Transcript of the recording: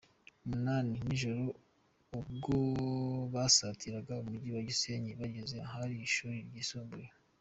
munani zijoro ubwo basatiraga umujyi wa Gisenyi bageze ahari ishuri ryisumbuye.